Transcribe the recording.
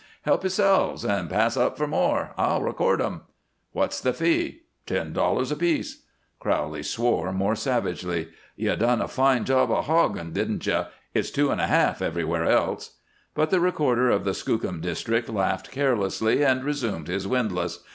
"Help yourselves and pass up for more. I'll record 'em." "What's the fee?" "Ten dollars apiece." Crowley swore more savagely. "You done a fine job of hoggin', didn't you? It's two and a half everywhere else." But the recorder of the Skookum District laughed carelessly and resumed his windlass.